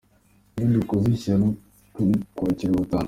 Iyo dukoze ishyano turi kwakira batanu.